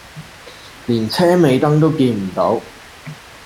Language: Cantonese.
連車尾燈都見唔到